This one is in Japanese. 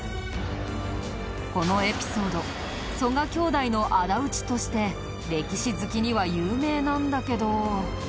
このエピソード「曽我兄弟の仇討ち」として歴史好きには有名なんだけど。